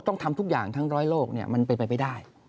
ต้องทำทุกอย่างทั้งร้อยโลกมันเป็นไปไม่ได้